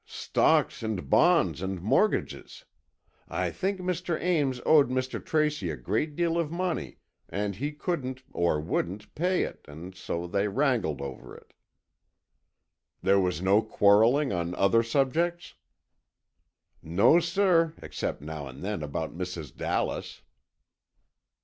"Stocks and bonds and mortgages. I think Mr. Ames owed Mr. Tracy a great deal of money and he couldn't or wouldn't pay it, and so they wrangled over it." "There was no quarrelling on other subjects?" "No, sir, except now and then about Mrs. Dallas."